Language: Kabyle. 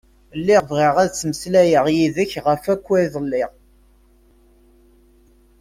Lliɣ bɣiɣ ad meslayeɣ yid-k ɣef akka iḍelli.